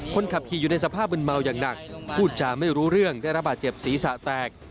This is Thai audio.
คนขับขี่อยู่ในสภาพมึนเมาอย่างหนักพูดจาไม่รู้เรื่องได้รับบาดเจ็บศีรษะแตก